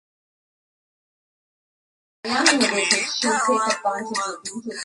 siku ya Alhamis huku maafisa wa Umoja wa Mataifa na Umoja wa Afrika